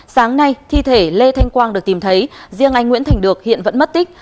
sáng nay thi thể lê thanh quang được tìm thấy riêng anh nguyễn thành được hiện vẫn mất tích